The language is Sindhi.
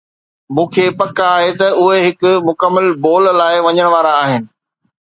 مون کي پڪ آهي ته اهي هڪ مڪمل بول لاء وڃڻ وارا آهن